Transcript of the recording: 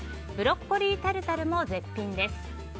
ブロッコリータルタルも絶品です。